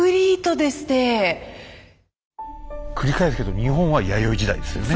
繰り返すけど日本は弥生時代ですよね？